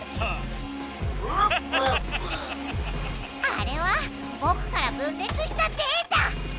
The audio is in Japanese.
あれはぼくから分れつしたデータ！